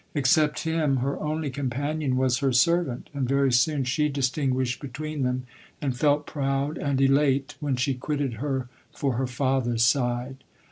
Except him, her only companion was her servant ; and very soon she distinguished lodori:. ;}1 between them, and felt proud and elate when she quitted her for her father's side.